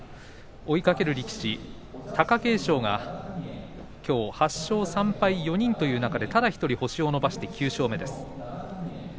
追いかける力士貴景勝がきょう８勝３敗、４人という中でただ１人星を伸ばして９勝目です。